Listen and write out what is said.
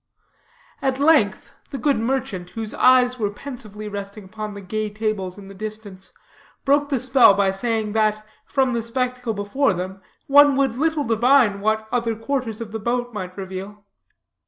At length, the good merchant, whose eyes were pensively resting upon the gay tables in the distance, broke the spell by saying that, from the spectacle before them, one would little divine what other quarters of the boat might reveal.